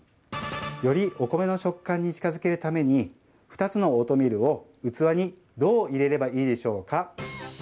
よりお米の食感に近づけるために２つのオートミールを器にどう入れればいいでしょうか？